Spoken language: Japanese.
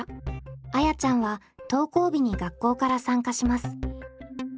あやちゃんは登校日に学校から参加します。